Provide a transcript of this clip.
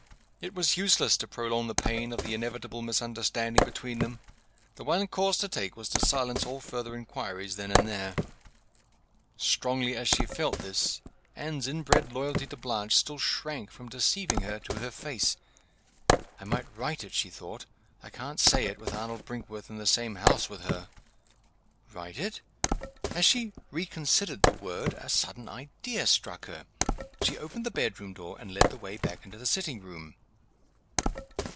It was useless to prolong the pain of the inevitable misunderstanding between them. The one course to take was to silence all further inquiries then and there. Strongly as she felt this, Anne's inbred loyalty to Blanche still shrank from deceiving her to her face. "I might write it," she thought. "I can't say it, with Arnold Brinkworth in the same house with her!" Write it? As she reconsidered the word, a sudden idea struck her. She opened the bedroom door, and led the way back into the sitting room.